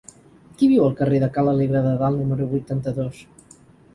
Qui viu al carrer de Ca l'Alegre de Dalt número vuitanta-dos?